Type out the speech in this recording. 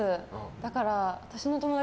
だから私の友達